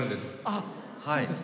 あっそうですか。